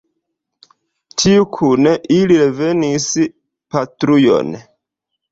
Tiu kun ili revenis patrujon.